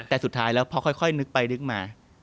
แต่สุดท้ายแล้วพอค่อยนึกไปนึกมา